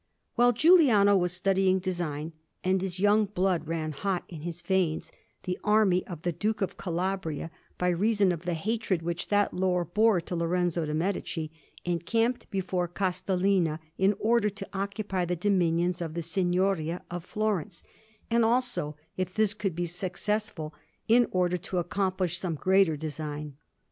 While Giuliano was studying design, and his young blood ran hot in his veins, the army of the Duke of Calabria, by reason of the hatred which that lord bore to Lorenzo de' Medici, encamped before Castellina, in order to occupy the dominions of the Signoria of Florence, and also, if this should be successful, in order to accomplish some greater design.